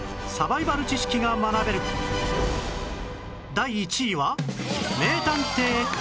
第１位は